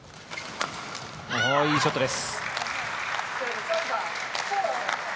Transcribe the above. いいショットです。